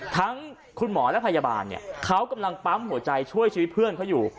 ทั้งคุณหมอและพยาบาลเขากำลังปั๊มหัวใจช่วยชีวิตเพื่อนเขาอยู่